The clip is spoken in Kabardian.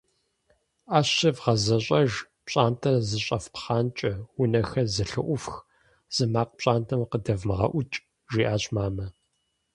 «ӏэщыр вгъэзэщӏэж, пщӏантӏэр зэщӏэфпхъанкӏэ, унэхэр зэлъыӏуфх, зы макъ пщӏантӏэм къыдэвмыгъэӏук», - жиӏащ мамэ.